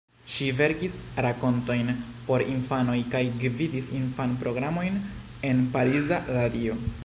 Ŝi verkis rakontojn por infanoj kaj gvidis infan-programojn en pariza radio.